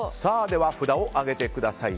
では札を上げてください。